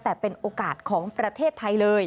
แต่เป็นโอกาสของประเทศไทยเลย